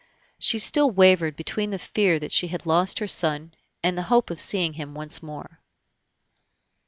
She still wavered between the fear that she had lost her son and the hope of seeing him once more.